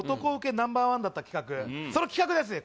ナンバーワンだった企画その企画がですね